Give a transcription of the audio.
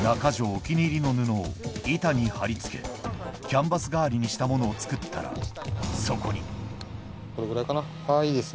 お気に入りの布を板に貼り付けキャンバス代わりにしたものを作ったらそこにこれぐらいかな？